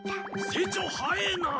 成長早えな！